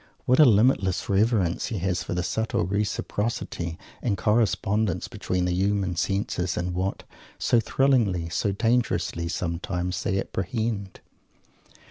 What a limitless reverence he has for the subtle reciprocity and correspondence between the human senses and what so thrillingly, so dangerously, sometimes! they apprehend.